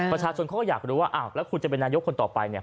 ประชาชนเขาก็อยากรู้ว่าอ้าวแล้วคุณจะเป็นนายกคนต่อไปเนี่ย